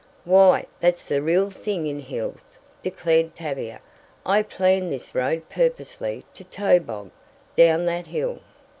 "Why, that's the real thing in hills," declared Tavia. "I planned this road purposely to 'tobog' down that hill."